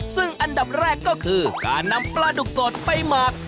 ซึ่งอันดับแรกก็คือการนำปลาดุกสดไปหมัก